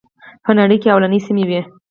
په نړۍ کې لومړنۍ سیمې وې.